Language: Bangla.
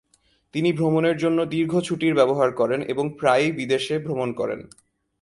তিনি ভ্রমণের জন্য দীর্ঘ ছুটির ব্যবহার করেন এবং প্রায়ই বিদেশে ভ্রমণ করেন।